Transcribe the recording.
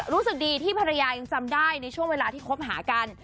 รู้สึกดีที่ภรรยายังจำได้ในช่วงเวลาที่คบหากัน